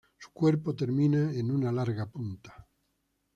Su cuerpo termina en una larga punta.